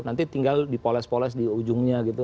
nanti tinggal dipoles poles di ujungnya gitu